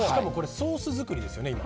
ソース作りですよね、今。